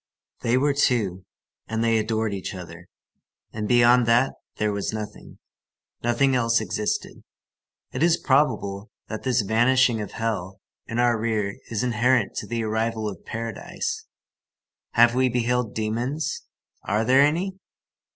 They were two, and they adored each other, and beyond that there was nothing. Nothing else existed. It is probable that this vanishing of hell in our rear is inherent to the arrival of paradise. Have we beheld demons? Are there any?